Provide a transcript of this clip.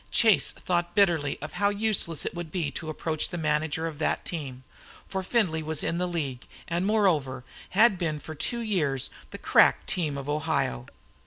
Chase thought bitterly of how useless it would be to approach the manager of that team, for Findlay was in the league, and moreover, had been for two years the crack team of Ohio.